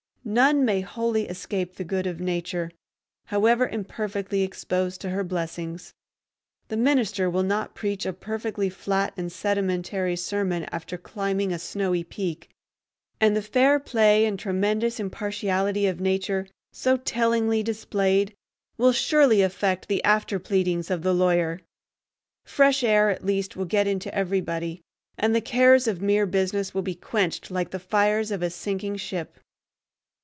None may wholly escape the good of Nature, however imperfectly exposed to her blessings. The minister will not preach a perfectly flat and sedimentary sermon after climbing a snowy peak; and the fair play and tremendous impartiality of Nature, so tellingly displayed, will surely affect the after pleadings of the lawyer. Fresh air at least will get into everybody, and the cares of mere business will be quenched like the fires of a sinking ship.